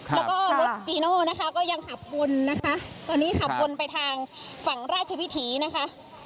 แล้วก็รถจีโน่นะคะก็ยังขับวนนะคะตอนนี้ขับวนไปทางฝั่งราชวิถีนะคะ